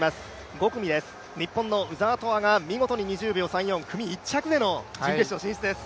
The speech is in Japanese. ５組です、日本の鵜澤飛羽が２０秒３４組１着での準決勝進出です。